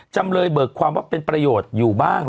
จำเลยเบิกความว่าเป็นประโยชน์อยู่บ้าง